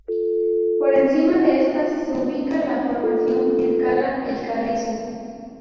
Por encima de estas se ubica la Formación Pircala-El Carrizo.